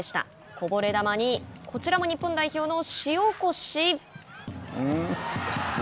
こぼれ球にこちらも日本代表の塩越。